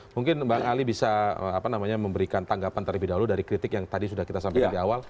mungkin bang ali bisa memberikan tanggapan dari kritik yang tadi kita sampaikan di awal